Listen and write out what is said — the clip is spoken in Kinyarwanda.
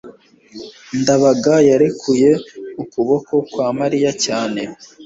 ndabaga yarekuye ukuboko kwa mariya cyane